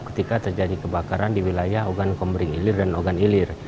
ketika terjadi kebakaran di wilayah ogan kombring ilir dan ogan ilir